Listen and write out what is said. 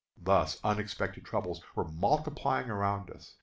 Thus unexpected troubles were multiplying around us.